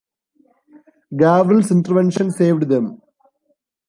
Gavril's intervention saved them.